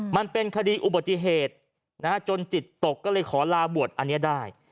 มันเป็นคดีอุบัติเหตุจนจิตตกก็เลยขอลาบวชอันนี้ได้